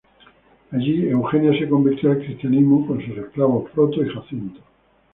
Allí Eugenia se convirtió al cristianismo con sus esclavos Proto y Jacinto.